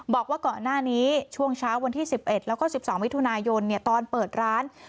บอกว่าก่อนหน้านี้ช่วงเช้าวันที่๑๑แล้วก็๑๒มิถุนายนตอนเปิดร้าน